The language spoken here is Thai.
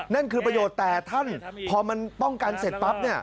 นั่นคือประโยชน์แต่ท่านพอมันป้องกันเสร็จปั๊บ